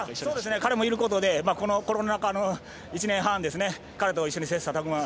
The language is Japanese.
彼もいることでこのコロナ禍の１年半彼と一緒に、切さたく磨。